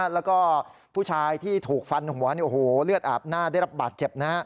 แล้วก็ผู้ชายที่ถูกฟันหัวเลือดอาบหน้าได้รับบาดเจ็บ